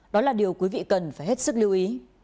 đó là điều quý vị cần phải hết sức lưu ý